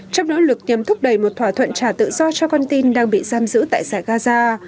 trong nỗ lực nhằm thúc đẩy một thỏa thuận trả tự do cho con tin đang bị giam giữ tại giải gaza